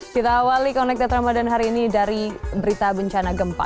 kita awali connected ramadan hari ini dari berita bencana gempa